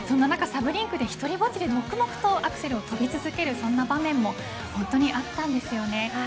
サブリンクで１人ぼっちで黙々とアクセルを跳び続けるそんな場面もあったんですよね。